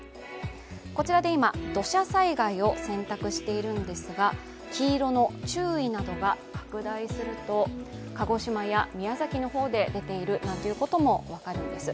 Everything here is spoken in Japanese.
こちらで今、土砂災害を選択しているんですが黄色の注意などが拡大すると、鹿児島や宮崎の方で出ているなんていうことも分かるんです。